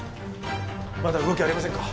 まだ動きありませんか？